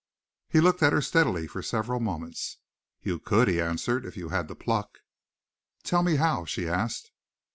He looked at her steadily for several moments. "You could," he answered, "if you had the pluck." "Tell me how?" she asked.